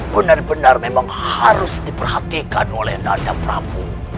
benar benar memang harus diperhatikan oleh nanda prabu